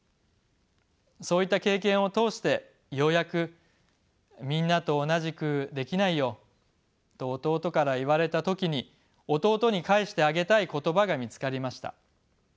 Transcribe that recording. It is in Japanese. そういった経験を通してようやく「みんなとおなじくできないよ」と弟から言われた時に弟に返してあげたい言葉が見つかりました。